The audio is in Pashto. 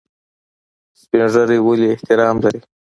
سپین ږیری ولې احترام لري؟